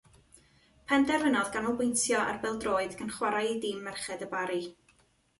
Penderfynodd ganolbwyntio ar bêl-droed gan chwarae i dîm merched y Bari.